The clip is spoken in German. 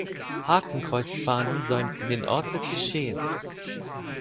Hakenkreuzfahnen säumten den Ort des Geschehens.